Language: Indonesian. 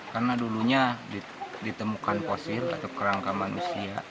karena dulunya ditemukan posir atau kerangka manusia